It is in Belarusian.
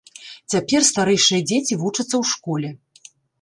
Цяпер старэйшыя дзеці вучацца ў школе.